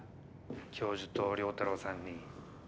教授と良太郎さんに。